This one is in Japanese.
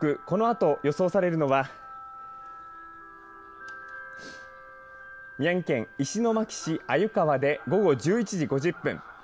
このあと予想されるのは宮城県石巻市鮎川で午後１１時５０分。